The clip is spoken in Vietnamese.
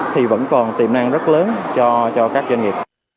thì vẫn còn tiềm năng rất lớn cho các doanh nghiệp